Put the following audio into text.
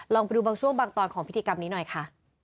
ลองไปดูบางช่วงบางตอนของพิธีกรรมนี้หน่อยค่ะ